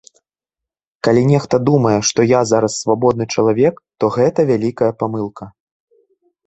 Калі нехта думае, што я зараз свабодны чалавек, то гэта вялікая памылка.